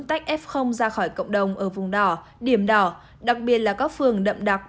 tách f ra khỏi cộng đồng ở vùng đỏ điểm đỏ đặc biệt là các phường đậm đặc